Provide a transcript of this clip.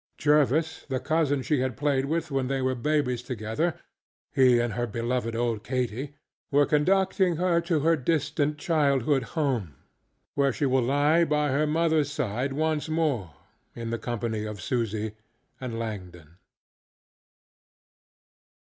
Jervis, the cousin she had played with when they were babies togetherŌĆöhe and her beloved old KatyŌĆöwere conducting her to her distant childhood home, where she will lie by her motherŌĆÖs side once more, in the company of Susy and Langdon.